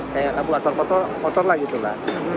kayak abu ator otor lah gitu lah